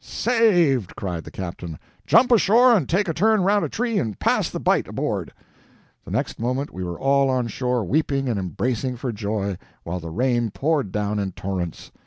"Saved!" cried the captain. "Jump ashore and take a turn around a tree and pass the bight aboard!" The next moment we were all on shore weeping and embracing for joy, while the rain poured down in torrents.